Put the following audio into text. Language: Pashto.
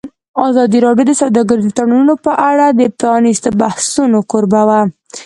ازادي راډیو د سوداګریز تړونونه په اړه د پرانیستو بحثونو کوربه وه.